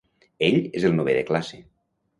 Ell és el novè de classe.